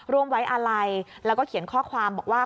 ร่วมไว้อาลัยแล้วก็เขียนข้อความบอกว่า